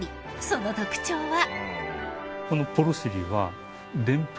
その特徴は。